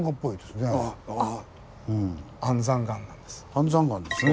安山岩ですね